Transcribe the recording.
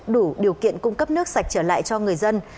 đủ điều kiện cung cấp nước sạch trở lại cho người dân